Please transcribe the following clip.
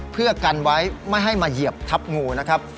เพื่อกันไว้ไม่ให้มาเหยียบทับงูนะครับ